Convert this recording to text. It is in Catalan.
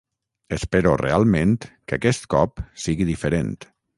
Espero realment que aquest cop sigui diferent.